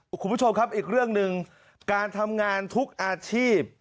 คุณผู้ชมครับอีกเรื่องหนึ่งการทำงานทุกอาชีพ